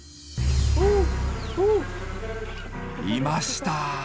いました。